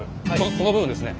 この部分ですね。